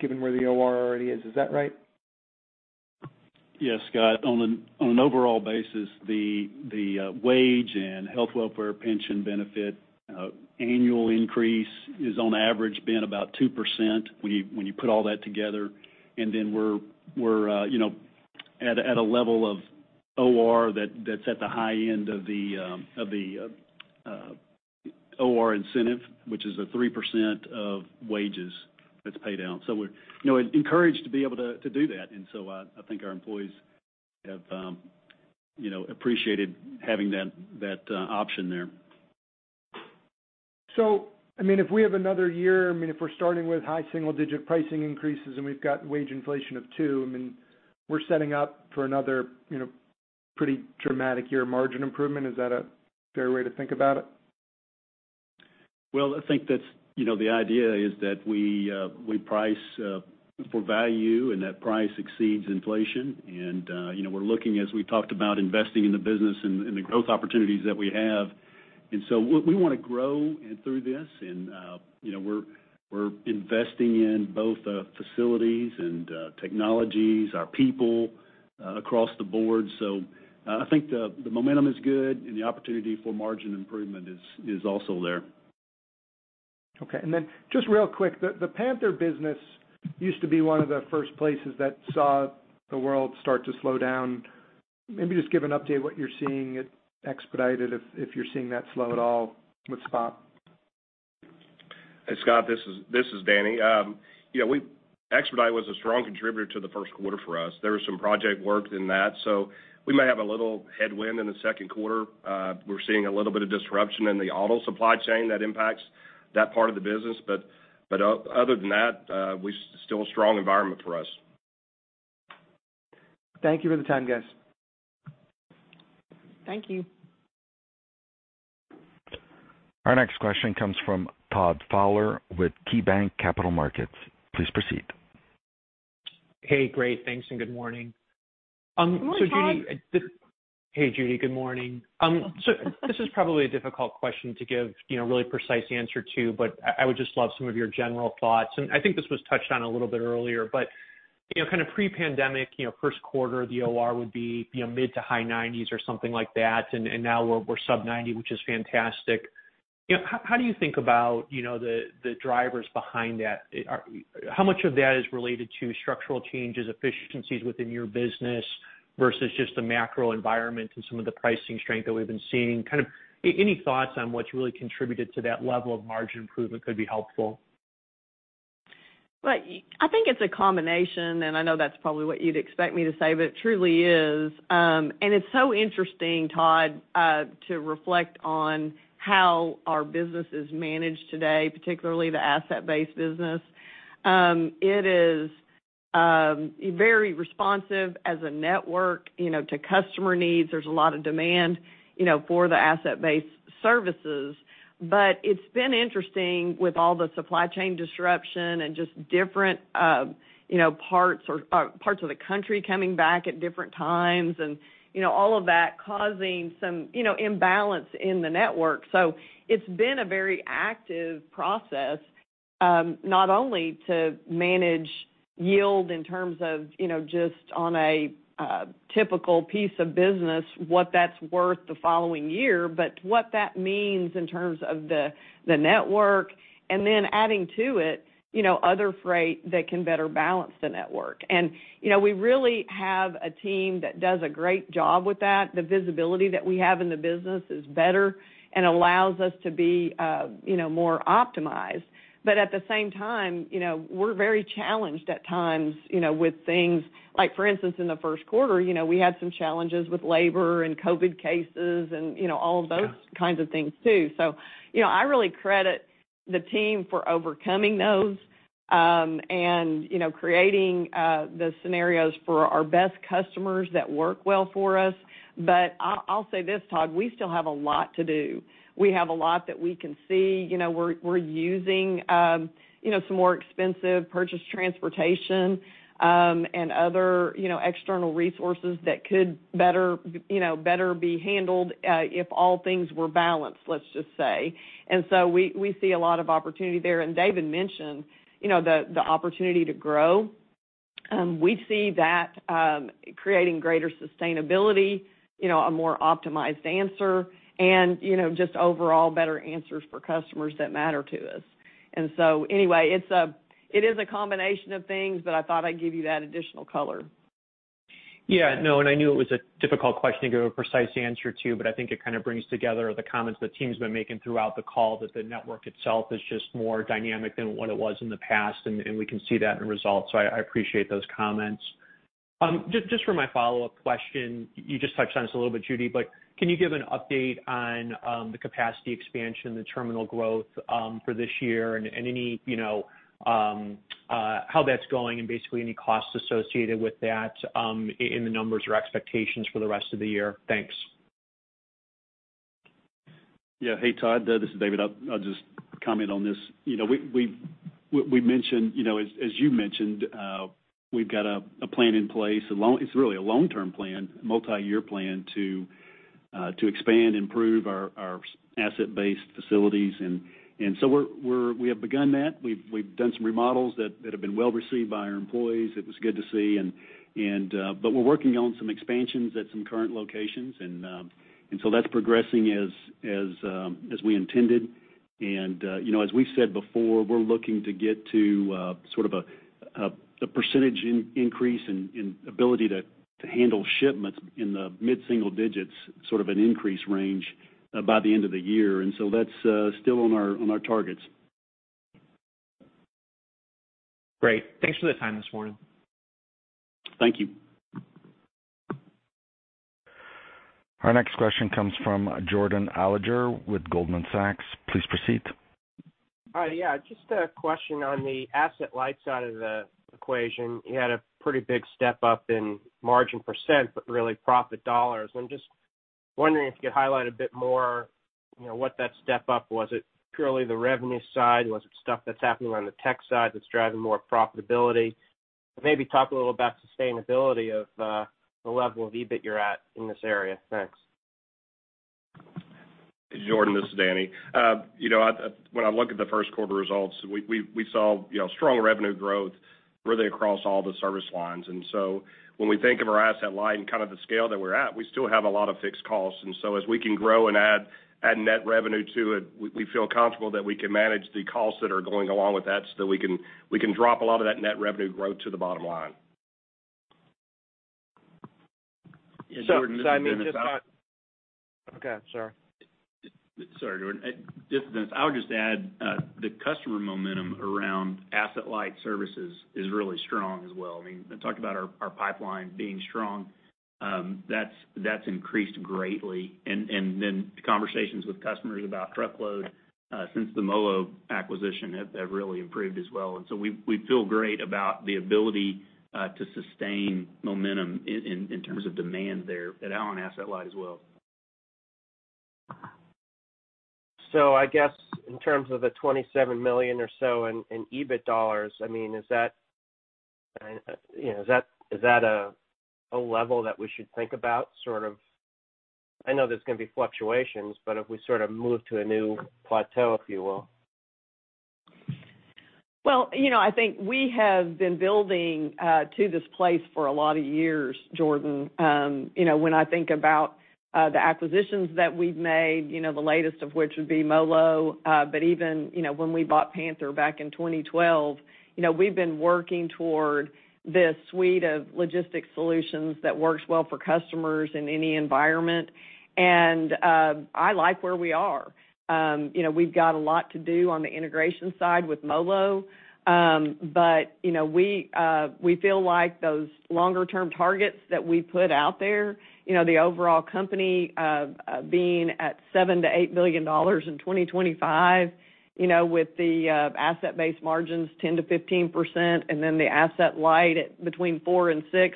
given where the OR already is. Is that right? Yes, Scott. On an overall basis, the wage and health welfare pension benefit annual increase is on average been about 2% when you put all that together. We're you know, at a level of OR that's at the high end of the OR incentive, which is 3% of wages that's paid out. We're you know, encouraged to be able to do that. I think our employees have you know, appreciated having that option there. I mean, if we have another year, I mean, if we're starting with high single-digit pricing increases and we've got wage inflation of 2%, I mean, we're setting up for another, you know, pretty dramatic year margin improvement. Is that a fair way to think about it? Well, I think that's, you know, the idea is that we price for value and that price exceeds inflation. You know, we're looking, as we talked about, investing in the business and the growth opportunities that we have. We wanna grow through this and, you know, we're investing in both facilities and technologies, our people, across the board. I think the momentum is good and the opportunity for margin improvement is also there. Okay. Just real quick, the Panther business used to be one of the first places that saw the world start to slow down. Maybe just give an update what you're seeing at Expedited, if you're seeing that slow at all with spot. Hey, Scott, this is Danny. You know, Expedite was a strong contributor to the first quarter for us. There was some project work in that, so we may have a little headwind in the second quarter. We're seeing a little bit of disruption in the auto supply chain that impacts that part of the business. Other than that, still a strong environment for us. Thank you for the time, guys. Thank you. Our next question comes from Todd Fowler with KeyBanc Capital Markets. Please proceed. Hey, great. Thanks, and good morning. Good morning, Todd. Judy, hey, Judy, good morning. This is probably a difficult question to give a really precise answer to, but I would just love some of your general thoughts. I think this was touched on a little bit earlier. You know, kind of pre-pandemic, first quarter, the OR would be mid- to high 90s or something like that. Now we're sub-90, which is fantastic. You know, how do you think about the drivers behind that? How much of that is related to structural changes, efficiencies within your business versus just the macro environment and some of the pricing strength that we've been seeing? Any thoughts on what's really contributed to that level of margin improvement could be helpful. Well, I think it's a combination, and I know that's probably what you'd expect me to say, but it truly is. It's so interesting, Todd, to reflect on how our business is managed today, particularly the asset-based business. It is very responsive as a network, you know, to customer needs. There's a lot of demand, you know, for the asset-based services. But it's been interesting with all the supply chain disruption and just different, you know, parts of the country coming back at different times and, you know, all of that causing some, you know, imbalance in the network. It's been a very active process, not only to manage yield in terms of, you know, just on a typical piece of business, what that's worth the following year, but what that means in terms of the network, and then adding to it, you know, other freight that can better balance the network. You know, we really have a team that does a great job with that. The visibility that we have in the business is better and allows us to be, you know, more optimized. At the same time, you know, we're very challenged at times, you know, with things. Like, for instance, in the first quarter, you know, we had some challenges with labor and COVID cases and, you know, all of those. Yeah. Kinds of things too. You know, I really credit the team for overcoming those and creating the scenarios for our best customers that work well for us. I'll say this, Todd, we still have a lot to do. We have a lot that we can see. You know, we're using some more expensive purchase transportation and other external resources that could better be handled if all things were balanced, let's just say. We see a lot of opportunity there. David mentioned the opportunity to grow. We see that creating greater sustainability, you know, a more optimized answer and just overall better answers for customers that matter to us. Anyway, it is a combination of things, but I thought I'd give you that additional color. Yeah, no, I knew it was a difficult question to give a precise answer to, but I think it kind of brings together the comments the team's been making throughout the call that the network itself is just more dynamic than what it was in the past, and we can see that in results. I appreciate those comments. Just for my follow-up question, you just touched on this a little bit, Judy, but can you give an update on the capacity expansion, the terminal growth, for this year and any, you know, how that's going and basically any costs associated with that, in the numbers or expectations for the rest of the year? Thanks. Yeah. Hey, Todd, this is David. I'll just comment on this. You know, we mentioned, you know, as you mentioned, we've got a plan in place. It's really a long-term plan, multi-year plan to expand and improve our asset-based facilities. We have begun that. We've done some remodels that have been well received by our employees. It was good to see. But we're working on some expansions at some current locations. That's progressing as we intended. You know, as we said before, we're looking to get to sort of a percentage increase in ability to handle shipments in the mid-single digits, sort of an increase range, by the end of the year. That's still on our targets. Great. Thanks for the time this morning. Thank you. Our next question comes from Jordan Alliger with Goldman Sachs. Please proceed. Hi. Yeah, just a question on the asset-light side of the equation. You had a pretty big step-up in margin percentage, but really profit dollars. I'm just wondering if you could highlight a bit more, you know, what that step up was. Was it purely the revenue side? Was it stuff that's happening on the tech side that's driving more profitability? Maybe talk a little about sustainability of the level of EBIT you're at in this area. Thanks. Jordan, this is Danny. You know, when I look at the first quarter results, we saw, you know, strong revenue growth really across all the service lines. When we think of our asset light and kind of the scale that we're at, we still have a lot of fixed costs. As we can grow and add net revenue to it, we feel comfortable that we can manage the costs that are going along with that so we can drop a lot of that net revenue growth to the bottom line. Besides maybe just. Jordan, this is Dennis. Okay, sorry. Sorry, Jordan. This is Dennis. I would just add, the customer momentum around asset-light services is really strong as well. I mean, I talked about our pipeline being strong. That's increased greatly. Conversations with customers about truckload since the MoLo acquisition have really improved as well. We feel great about the ability to sustain momentum in terms of demand there and on asset-light as well. I guess in terms of the $27 million or so in EBIT dollars, I mean, is that a level that we should think about sort of? I know there's gonna be fluctuations, but if we sort of move to a new plateau, if you will. Well, you know, I think we have been building to this place for a lot of years, Jordan. You know, when I think about the acquisitions that we've made, you know, the latest of which would be MoLo, but even, you know, when we bought Panther back in 2012, you know, we've been working toward this suite of logistics solutions that works well for customers in any environment. I like where we are. You know, we've got a lot to do on the integration side with MoLo. You know, we feel like those longer term targets that we put out there, you know, the overall company being at $7-$8 billion in 2025, you know, with the asset-based margins 10%-15%, and then the asset-light between 4%-6%,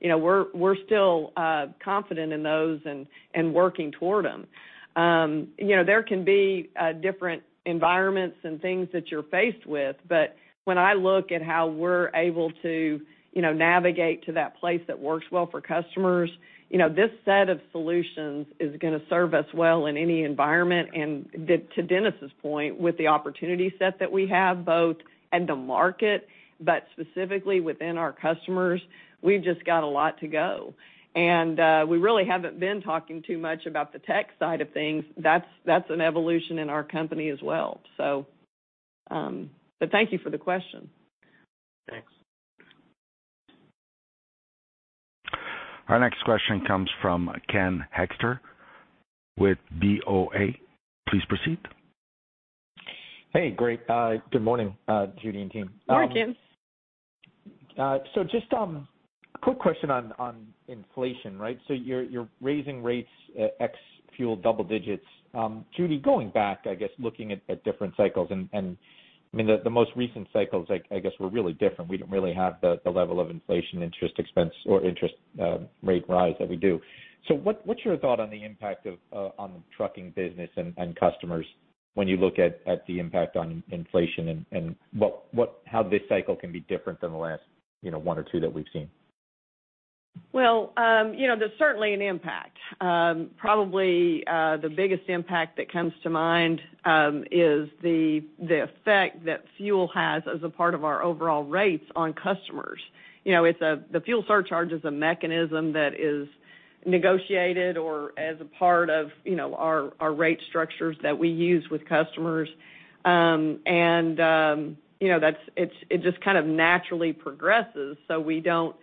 you know, we're still confident in those and working toward them. You know, there can be different environments and things that you're faced with, but when I look at how we're able to, you know, navigate to that place that works well for customers, you know, this set of solutions is gonna serve us well in any environment. To Dennis' point, with the opportunity set that we have both end-market, but specifically within our customers, we've just got a lot to go. We really haven't been talking too much about the tech side of things. That's an evolution in our company as well. Thank you for the question. Thanks. Our next question comes from Ken Hoexter with BofA. Please proceed. Hey, great. Good morning, Judy and team. Morning, Ken. Just a quick question on inflation, right? You're raising rates ex fuel double digits. Judy, going back, I guess, looking at different cycles and I mean the most recent cycles, I guess, were really different. We didn't really have the level of inflation, interest expense or interest rate rise that we do. What's your thought on the impact on the trucking business and customers when you look at the impact on inflation and how this cycle can be different than the last, you know, one or two that we've seen? Well, you know, there's certainly an impact. Probably, the biggest impact that comes to mind is the effect that fuel has as a part of our overall rates on customers. You know, the fuel surcharge is a mechanism that is negotiated or as a part of, you know, our rate structures that we use with customers. You know, that's it just kind of naturally progresses, so we don't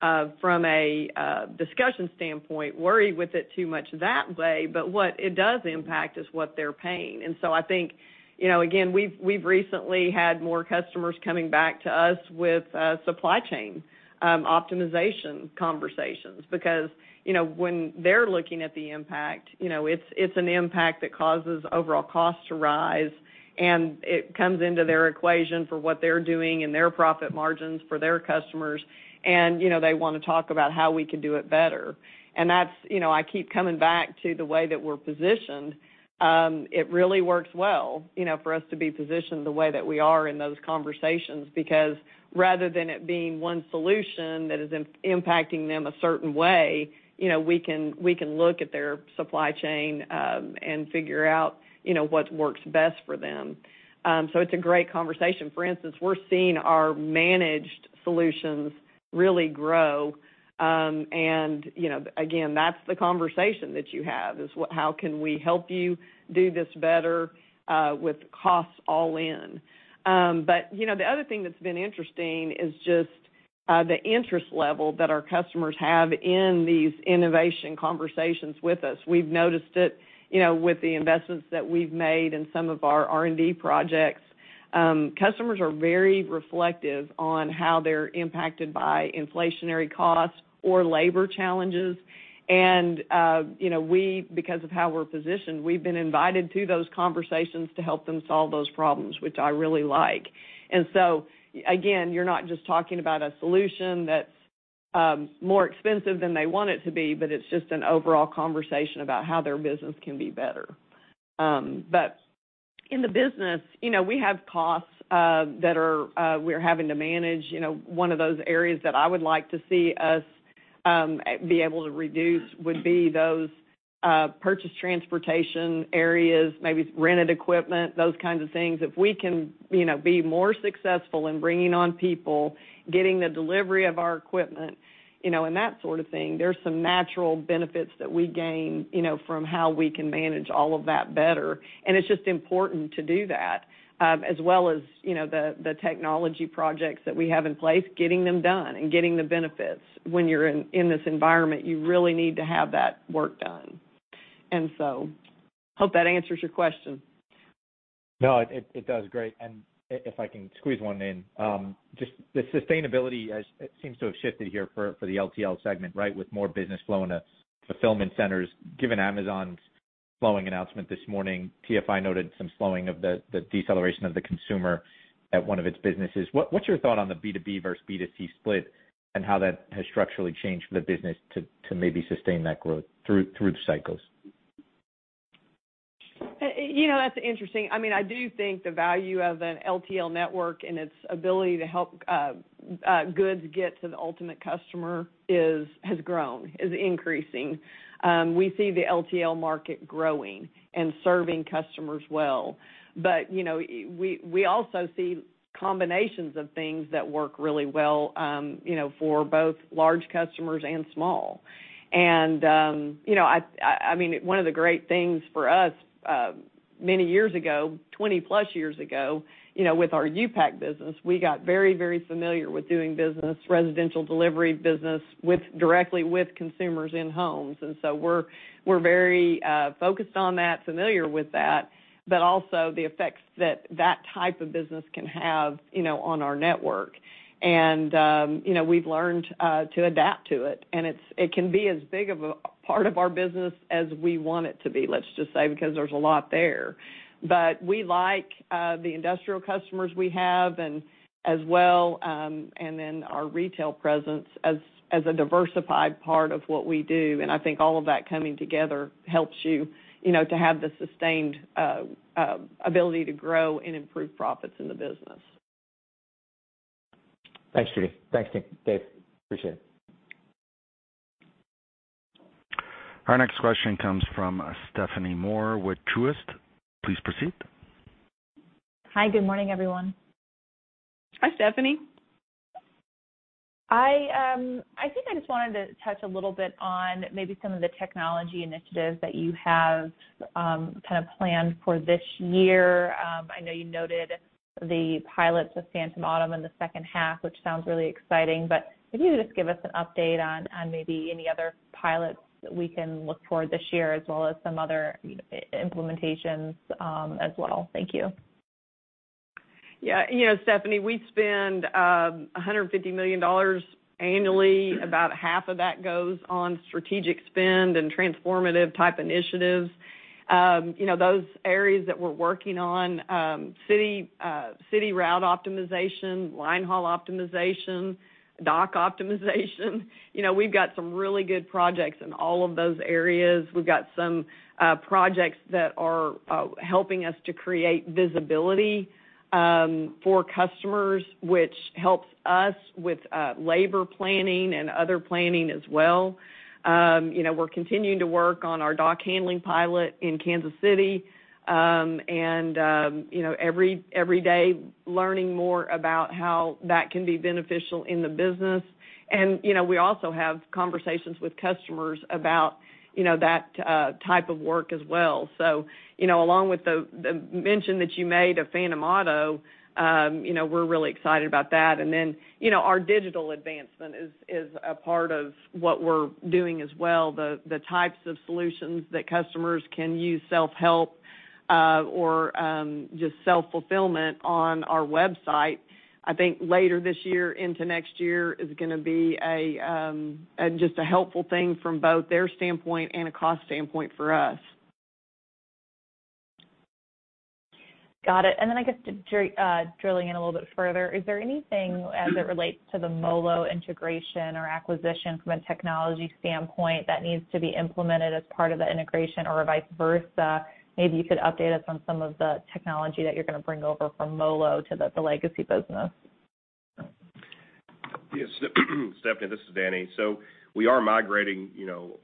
from a discussion standpoint worry with it too much that way. What it does impact is what they're paying. I think, you know, again, we've recently had more customers coming back to us with supply chain optimization conversations because, you know, when they're looking at the impact, you know, it's an impact that causes overall costs to rise, and it comes into their equation for what they're doing and their profit margins for their customers. You know, they wanna talk about how we could do it better. That's, you know, I keep coming back to the way that we're positioned. It really works well, you know, for us to be positioned the way that we are in those conversations. Because rather than it being one solution that is impacting them a certain way, you know, we can look at their supply chain and figure out, you know, what works best for them. It's a great conversation. For instance, we're seeing our managed solutions really grow. You know, again, that's the conversation that you have, is how can we help you do this better, with costs all in? You know, the other thing that's been interesting is just, the interest level that our customers have in these innovation conversations with us. We've noticed it, you know, with the investments that we've made in some of our R&D projects. Customers are very reflective on how they're impacted by inflationary costs or labor challenges. You know, we, because of how we're positioned, we've been invited to those conversations to help them solve those problems, which I really like. Again, you're not just talking about a solution that's more expensive than they want it to be, but it's just an overall conversation about how their business can be better. In the business, you know, we have costs that we're having to manage. You know, one of those areas that I would like to see us be able to reduce would be those purchase transportation areas, maybe rented equipment, those kinds of things. If we can, you know, be more successful in bringing on people, getting the delivery of our equipment, you know, and that sort of thing, there's some natural benefits that we gain, you know, from how we can manage all of that better. It's just important to do that, as well as, you know, the technology projects that we have in place, getting them done and getting the benefits. When you're in this environment, you really need to have that work done. Hope that answers your question. No, it does. Great. If I can squeeze one in. Just the sustainability as it seems to have shifted here for the LTL segment, right? With more business flowing to fulfillment centers. Given Amazon's slowing announcement this morning, TFI noted some slowing of the deceleration of the consumer at one of its businesses. What's your thought on the B2B versus B2C split and how that has structurally changed for the business to maybe sustain that growth through the cycles? You know, that's interesting. I mean, I do think the value of an LTL network and its ability to help goods get to the ultimate customer has grown, is increasing. We see the LTL market growing and serving customers well. You know, we also see combinations of things that work really well, you know, for both large customers and small. You know, I mean, one of the great things for us, many years ago, 20+ years ago, you know, with our U-Pack business, we got very familiar with doing business, residential delivery business with directly with consumers in homes. We're very focused on that, familiar with that, but also the effects that that type of business can have, you know, on our network. You know, we've learned to adapt to it. It's it can be as big of a part of our business as we want it to be, let's just say, because there's a lot there. But we like the industrial customers we have and as well, and then our retail presence as a diversified part of what we do. I think all of that coming together helps you know, to have the sustained ability to grow and improve profits in the business. Thanks, Judy. Thanks, team. Dave, appreciate it. Our next question comes from Stephanie Moore with Truist. Please proceed. Hi, good morning, everyone. Hi, Stephanie. I think I just wanted to touch a little bit on maybe some of the technology initiatives that you have, kind of planned for this year. I know you noted the pilots of Phantom Auto in the second half, which sounds really exciting. If you could just give us an update on maybe any other pilots that we can look for this year as well as some other implementations, as well. Thank you. Yeah. You know, Stephanie, we spend $150 million annually. About half of that goes on strategic spend and transformative type initiatives. You know, those areas that we're working on, city route optimization, line haul optimization, dock optimization. You know, we've got some really good projects in all of those areas. We've got some projects that are helping us to create visibility for customers, which helps us with labor planning and other planning as well. You know, we're continuing to work on our dock handling pilot in Kansas City. You know, every day, learning more about how that can be beneficial in the business. You know, we also have conversations with customers about that type of work as well. You know, along with the mention that you made of Phantom Auto, you know, we're really excited about that. You know, our digital advancement is a part of what we're doing as well. The types of solutions that customers can use self-help or just self-fulfillment on our website, I think later this year into next year is gonna be just a helpful thing from both their standpoint and a cost standpoint for us. Got it. I guess drilling in a little bit further, is there anything as it relates to the MoLo integration or acquisition from a technology standpoint that needs to be implemented as part of the integration or vice versa? Maybe you could update us on some of the technology that you're gonna bring over from MoLo to the legacy business. Yes. Stephanie, this is Danny. We are migrating, you know,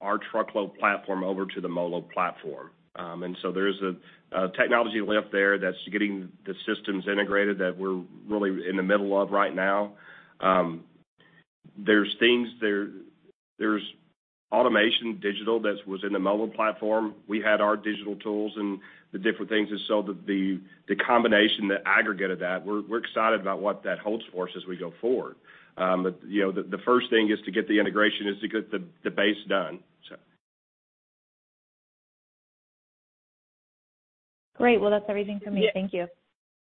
our truckload platform over to the MoLo platform. There's a technology lift there that's getting the systems integrated that we're really in the middle of right now. There's automation, digital, that was in the MoLo platform. We had our digital tools and the different things, and so the combination, the aggregate of that, we're excited about what that holds for us as we go forward. You know, the first thing is to get the integration, the base done. Great. Well, that's everything for me. Thank you.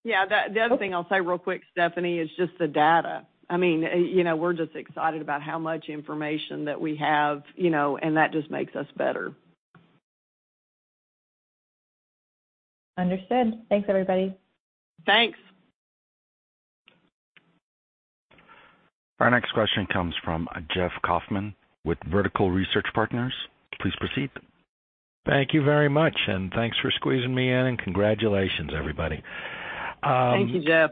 Yeah. The other thing I'll say real quick, Stephanie, is just the data. I mean, you know, we're just excited about how much information that we have, you know, and that just makes us better. Understood. Thanks, everybody. Thanks. Our next question comes from Jeff Kauffman with Vertical Research Partners. Please proceed. Thank you very much, and thanks for squeezing me in, and congratulations, everybody. Thank you, Jeff.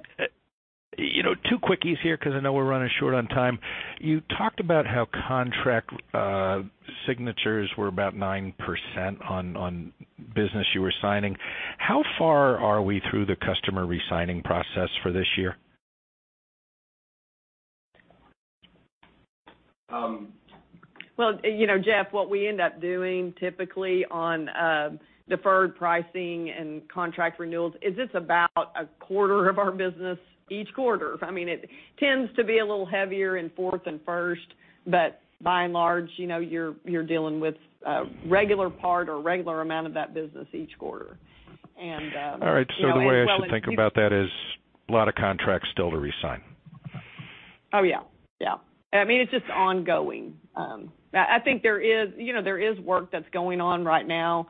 You know, two quickies here 'cause I know we're running short on time. You talked about how contract signatures were about 9% on business you were signing. How far are we through the customer resigning process for this year? Well, you know, Jeff, what we end up doing typically on deferred pricing and contract renewals is it's about a quarter of our business each quarter. I mean, it tends to be a little heavier in fourth and first, but by and large, you know, you're dealing with a regular part or regular amount of that business each quarter. You know, as well as. All right. The way I should think about that is a lot of contracts still to re-sign. Oh, yeah. Yeah. I mean, it's just ongoing. I think there is, you know, there is work that's going on right now,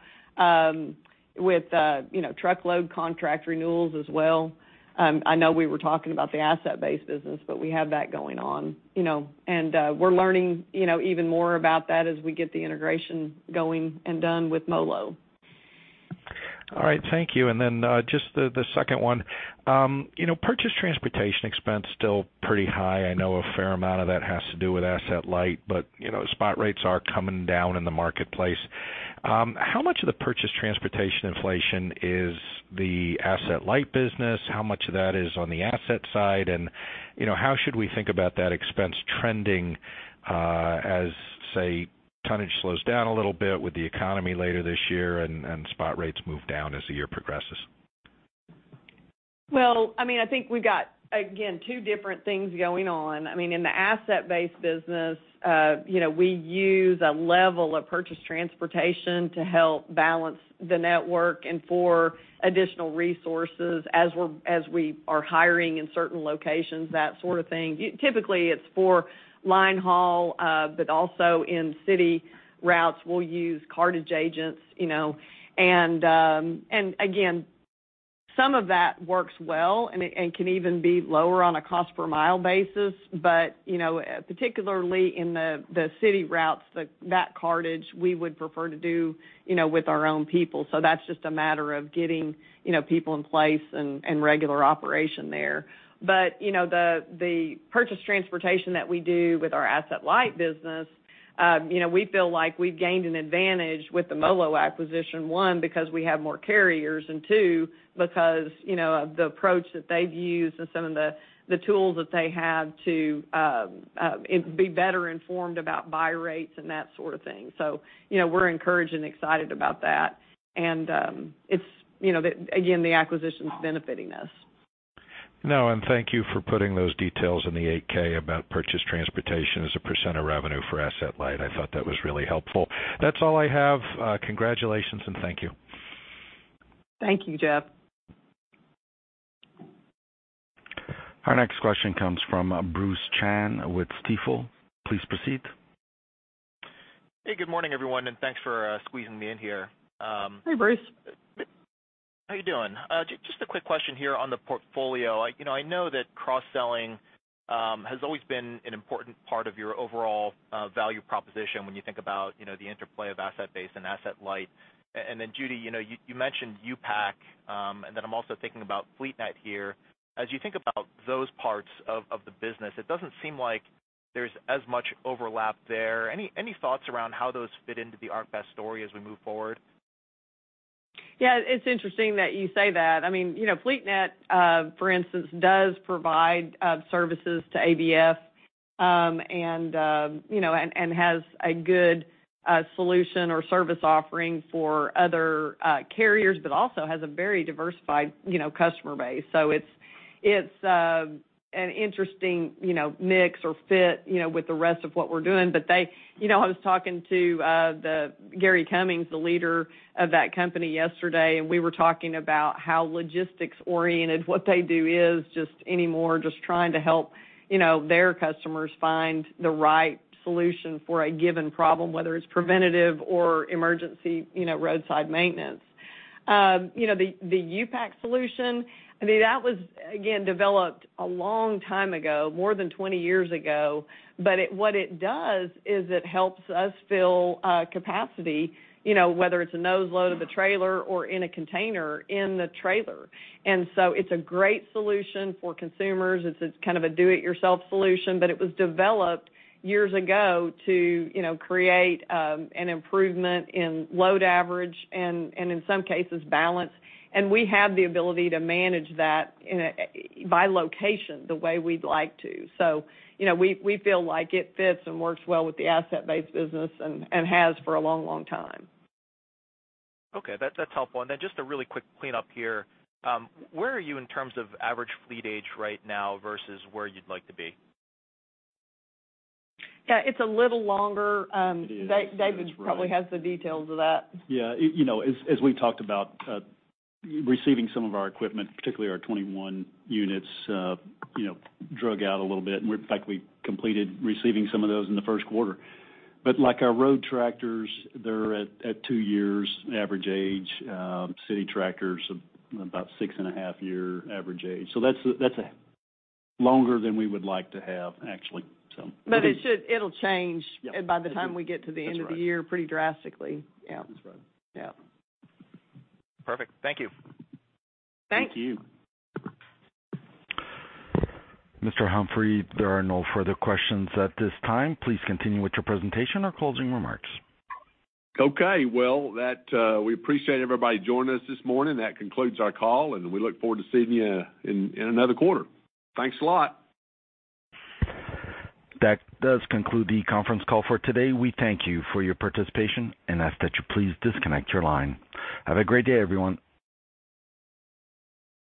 with, you know, truckload contract renewals as well. I know we were talking about the asset-based business, but we have that going on, you know, and, we're learning, you know, even more about that as we get the integration going and done with MoLo. All right. Thank you. Then, just the second one. You know, purchase transportation expense still pretty high. I know a fair amount of that has to do with Asset-Light, but you know, spot rates are coming down in the marketplace. How much of the purchase transportation inflation is the Asset-Light business? How much of that is on the asset side? You know, how should we think about that expense trending, as, say, tonnage slows down a little bit with the economy later this year and spot rates move down as the year progresses? Well, I mean, I think we've got, again, two different things going on. I mean, in the Asset-Based business, you know, we use a level of purchase transportation to help balance the network and for additional resources as we are hiring in certain locations, that sort of thing. Typically, it's for line haul, but also in city routes, we'll use cartage agents, you know. Again, some of that works well and it can even be lower on a cost per mile basis. You know, particularly in the city routes that cartage we would prefer to do, you know, with our own people. That's just a matter of getting, you know, people in place and regular operation there. You know, the purchase transportation that we do with our Asset-Light business. You know, we feel like we've gained an advantage with the MoLo acquisition, one, because we have more carriers, and two, because the approach that they've used and some of the tools that they have to be better informed about buy rates and that sort of thing. You know, we're encouraged and excited about that. It's, you know, again, the acquisition's benefiting us. No, and thank you for putting those details in the 8-K about purchased transportation as a percent of revenue for Asset-Light. I thought that was really helpful. That's all I have. Congratulations and thank you. Thank you, Jeff. Our next question comes from Bruce Chan with Stifel. Please proceed. Hey, good morning, everyone, and thanks for squeezing me in here. Hey, Bruce. How you doing? Just a quick question here on the portfolio. You know, I know that cross-selling has always been an important part of your overall value proposition when you think about, you know, the interplay of Asset-Based and Asset-Light. Judy, you know, you mentioned U-Pack, and then I'm also thinking about FleetNet here. As you think about those parts of the business, it doesn't seem like there's as much overlap there. Any thoughts around how those fit into the ArcBest story as we move forward? Yeah, it's interesting that you say that. I mean, you know, FleetNet, for instance, does provide services to ABF, and you know, and has a good solution or service offering for other carriers, but also has a very diversified, you know, customer base. It's an interesting, you know, mix or fit, you know, with the rest of what we're doing. You know, I was talking to Gary Cummings, the leader of that company yesterday, and we were talking about how logistics-oriented what they do is just anymore, just trying to help, you know, their customers find the right solution for a given problem, whether it's preventative or emergency, you know, roadside maintenance. You know, the U-Pack solution, I mean, that was, again, developed a long time ago, more than 20 years ago. What it does is it helps us fill capacity, you know, whether it's a nose load of a trailer or in a container in the trailer. It's a great solution for consumers. It's kind of a do it yourself solution, but it was developed years ago to, you know, create an improvement in load average and in some cases, balance. We have the ability to manage that by location the way we'd like to. You know, we feel like it fits and works well with the Asset-Based business and has for a long, long time. Okay. That's helpful. Then just a really quick cleanup here. Where are you in terms of average fleet age right now versus where you'd like to be? Yeah, it's a little longer. It is. That's right. David probably has the details of that. Yeah. You know, as we talked about, receiving some of our equipment, particularly our 21 units, you know, dragged out a little bit, and in fact, we completed receiving some of those in the first quarter. Like our road tractors, they're at 2 years average age, city tractors, about 6.5-year average age. That's longer than we would like to have, actually. It'll change. Yeah. By the time we get to the end of the year pretty drastically. Yeah. That's right. Yeah. Perfect. Thank you. Thank you. Thank you. Mr. Humphrey, there are no further questions at this time. Please continue with your presentation or closing remarks. Okay. Well, we appreciate everybody joining us this morning. That concludes our call, and we look forward to seeing you in another quarter. Thanks a lot. That does conclude the conference call for today. We thank you for your participation and ask that you please disconnect your line. Have a great day, everyone.